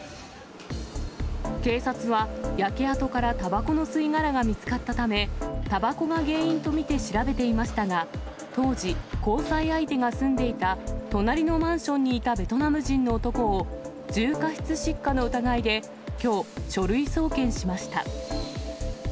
警察は、焼け跡からたばこの吸い殻が見つかったため、たばこが原因と見て調べていましたが、当時、交際相手が住んでいた隣のマンションにいたベトナム人の男を重過失失火の疑いできょう、書類送検しました。